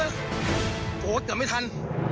โอ้เกือบไม่ทัน